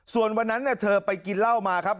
ส่วนวันนั้นเธอไปกินเหล้ามาครับ